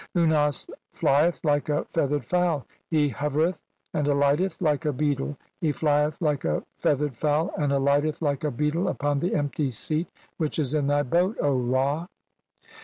Unas flieth like a feathered "fowl, he hovereth and alighteth like a beetle, he flieth "like a feathered fowl and alighteth like a beetle upon "the empty seat which is in thy boat, O Ra."